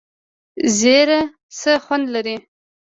زیره څه خوند لري؟